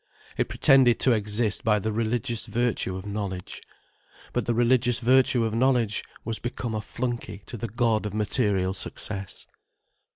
It pretended to exist by the religious virtue of knowledge. But the religious virtue of knowledge was become a flunkey to the god of material success.